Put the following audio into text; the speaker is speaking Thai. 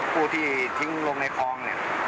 ผู้ที่ทิ้งลงในคลอง